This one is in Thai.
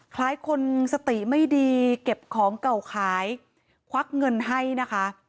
คล้ายคนสติไม่ดีเก็บของเก่าขายควักเงินให้นะคะ